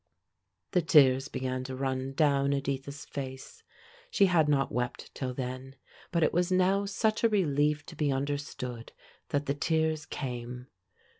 The tears began to run down Editha's face; she had not wept till then; but it was now such a relief to be understood that the tears came.